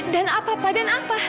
dan apa pak